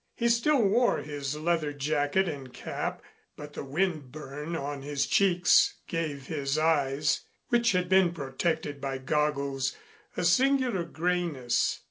He still wore his leather jacket and cap, but the wind burn on his cheeks gave his eyes, which had been protected by goggles, a singular grayness.